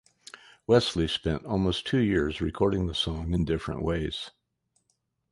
Wesley spent almost two years recording the song in different ways.